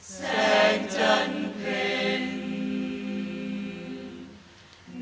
แสงจันทร์เพล็น